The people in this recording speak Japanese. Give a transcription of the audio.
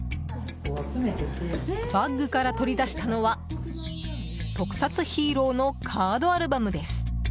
バッグから取り出したのは特撮ヒーローのカードアルバムです。